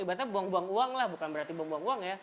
ibaratnya buang buang uang lah bukan berarti buang buang uang ya